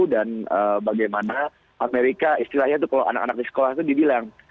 dan bagaimana amerika istilahnya itu kalau anak anak di sekolah itu dibilang